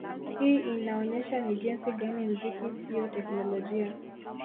Hii inaonyesha ni jinsi gani mziki siyo teknolojia